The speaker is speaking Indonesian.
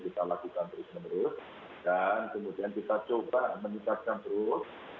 kita coba meningkatkan terus